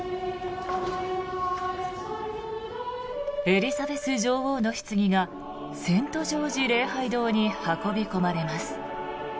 エリザベス女王のひつぎがセント・ジョージ礼拝堂に運び込まれます。